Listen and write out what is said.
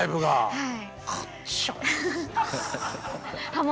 はい。